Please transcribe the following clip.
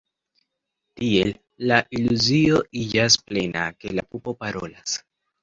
Tiel la iluzio iĝas plena, ke la pupo parolas.